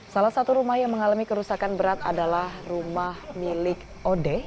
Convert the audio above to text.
salah satu rumah yang mengalami kerusakan berat adalah rumah milik odeh